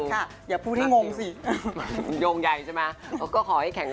เวลาไปไหนน่ะคือแบบว่าต้อง